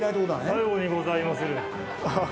さようにございまする。